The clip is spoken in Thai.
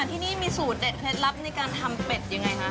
ที่นี่มีสูตรเด็ดเคล็ดลับในการทำเป็ดยังไงคะ